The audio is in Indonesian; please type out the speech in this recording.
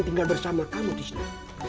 tinggal bersama kamu disini